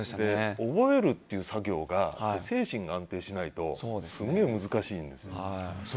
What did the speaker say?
覚えるっていう作業が精神が安定しないとすげえ難しいんですよね。